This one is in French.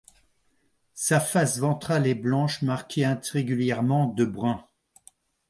Sa face ventrale est blanche marquée irrégulièrement de brun.